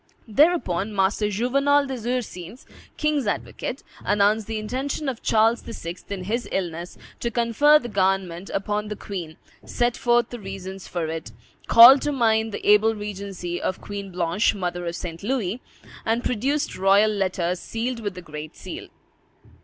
Thereupon Master Juvenal des Ursins, king's advocate, announced the intention of Charles VI. in his illness to confer the government upon the queen, set forth the reasons for it, called to mind the able regency of Queen Blanche, mother of St. Louis, and produced royal letters, sealed with the great seal.